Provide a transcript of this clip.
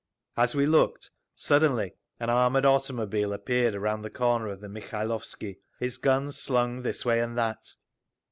As we looked, suddenly an armoured automobile appeared around the corner of the Mikhailovsky, its guns sluing this way and that.